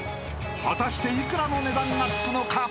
［果たして幾らの値段がつくのか？］